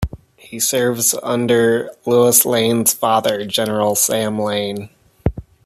He serves under Lois Lane's father, General Sam Lane.